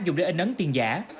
dùng để in ấn tiền giả